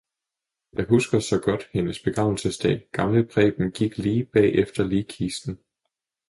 Jeg husker så godt hendes begravelsesdag, gamle preben gik lige bag efter ligkisten